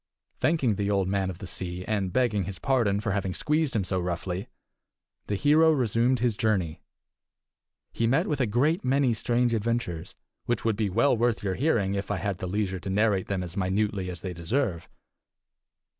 Thanking the Old Man of the Sea, and begging his pardon for having squeezed him so roughly, the hero resumed his journey. He met with a great many strange adventures, which would be well worth your hearing if I had leisure to narrate them as minutely as they deserve.